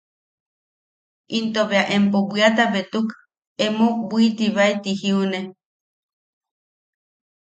Into bea empo bwiata betuk emo bwitibae ti jiune.